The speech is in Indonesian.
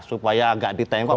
supaya agak ditengok